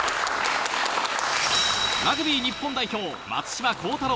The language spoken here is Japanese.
ラグビー日本代表・松島幸太朗。